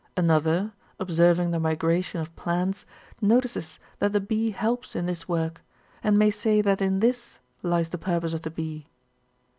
Another, observing the migration of plants, notices that the bee helps in this work, and may say that in this lies the purpose of the bee.